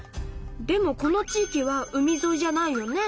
でもこの地域は海ぞいじゃないよね？